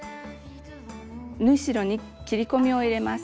縫い代に切り込みを入れます。